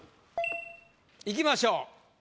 いきましょう。